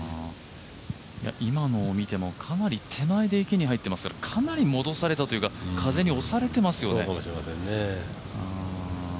今のを見てもかなり手前で池に入っていますからかなり戻されたというか、風に押されてますよね。